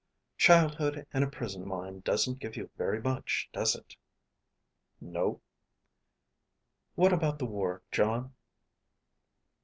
"Childhood and a prison mine doesn't give you very much, does it?" "No." "What about the war, Jon?"